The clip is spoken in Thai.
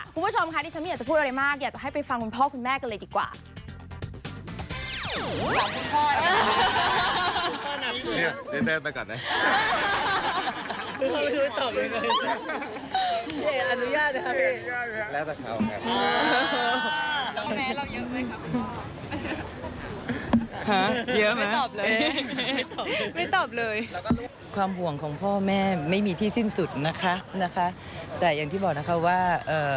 คุณผู้ชมค่ะดิฉันไม่อยากจะพูดอะไรมากอยากจะให้ไปฟังคุณพ่อคุณแม่กันเลยดีกว่า